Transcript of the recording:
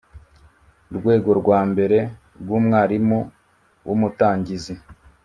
rwego rwa mbere rw umwarimu w umutangizi